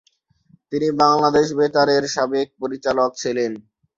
তিনি বাংলাদেশ বেতারের সাবেক পরিচালক ছিলেন।